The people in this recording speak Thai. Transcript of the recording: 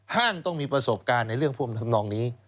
ห้างต้องมีประสบการณ์ในเรื่องพวกทำนองนี้